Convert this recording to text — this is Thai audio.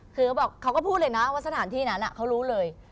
เขาก็พูดเลยนะว่าสถานที่นั้นเขารู้เลย